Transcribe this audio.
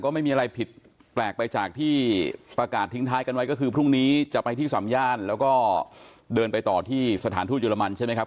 คุมสุดท้ายที่เป็นกลุ่มฮันทีว่าที่เพิ่งจะมาส่งรถเครื่องเสียงขึ้นทางด่วนกลับไปแล้วนะครับ